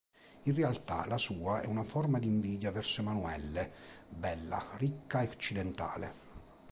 In realtà, la sua è una forma d'invidia verso Emanuelle, bella, ricca e occidentale.